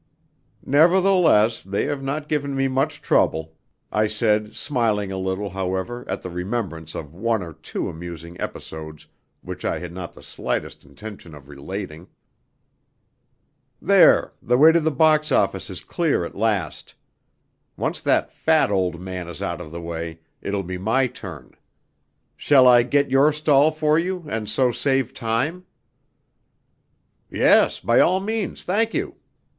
"Nevertheless, they have not given me much trouble," I said, smiling a little, however, at the remembrance of one or two amusing episodes which I had not the slightest intention of relating. "There, the way to the box office is clear at last. Once that fat old man is out of the way, it will be my turn. Shall I get your stall for you, and so save time?" "Yes, by all means, thank you.